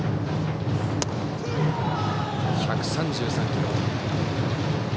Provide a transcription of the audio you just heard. １３３キロ。